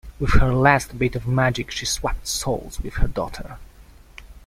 With her last bit of magic she swapped souls with her daughter.